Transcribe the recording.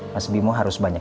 mas bimo harus banyak